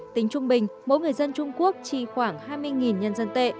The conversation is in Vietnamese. tính trung bình mỗi người dân trung quốc chi khoảng hai mươi nhân dân tệ